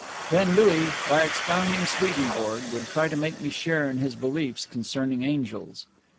Then Louis, by expounding Swedenborg, would try to make me share in his beliefs concerning angels.